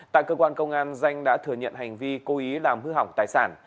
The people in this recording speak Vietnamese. tại cơ quan công an danh đã thừa nhận hành vi cố ý làm hư hỏng tài sản